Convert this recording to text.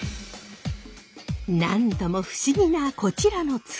なんとも不思議なこちらの塚。